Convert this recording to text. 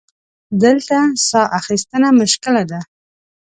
دلته سا اخیستنه مشکله ده.